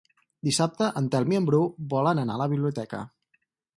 Dissabte en Telm i en Bru volen anar a la biblioteca.